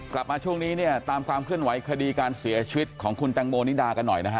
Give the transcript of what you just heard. กลับมาช่วงนี้เนี่ยตามความเคลื่อนไหวคดีการเสียชีวิตของคุณแตงโมนิดากันหน่อยนะฮะ